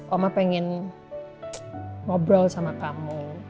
oma pengen ngobrol sama kamu